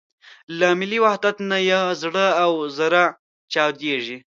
له ملي وحدت نه یې زړه او زره چاودېږي.